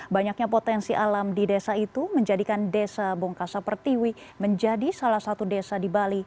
banyaknya potensi alam di desa itu menjadikan desa bongkasa pertiwi menjadi salah satu desa di bali